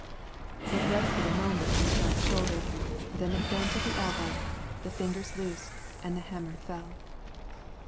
It rested a moment on the giant's shoulder, then it bent at the elbow, the fingers loosed, and the hammer fell.